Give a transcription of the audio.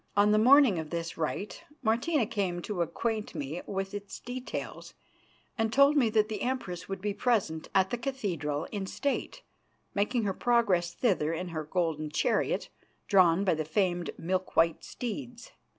On the morning of this rite, Martina came to acquaint me with its details, and told me that the Empress would be present at the cathedral in state, making her progress thither in her golden chariot, drawn by the famed milk white steeds.